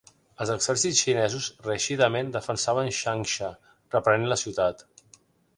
Els exèrcits xinesos reeixidament defensaven Changsha, reprenent la ciutat.